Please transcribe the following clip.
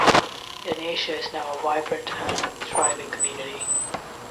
Lenasia is now a vibrant and thriving community.